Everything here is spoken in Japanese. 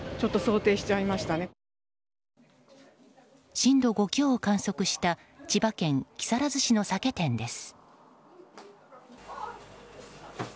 震度５強を観測した千葉県木更津市の酒店です。